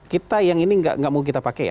kita yang ini nggak mau kita pakai ya